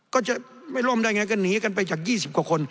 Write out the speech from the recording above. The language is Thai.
ก็จะไม่ร่วมได้ไงก็หนีกันไปจาก๒๐กว่าคน